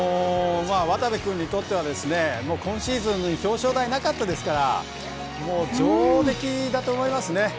渡部君にとっては、今シーズン表彰台なかったですから上出来だと思いますよ。